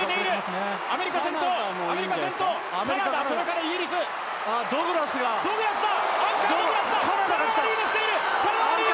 アメリカ先頭、カナダ、それからイギリス、ド・グラスだ！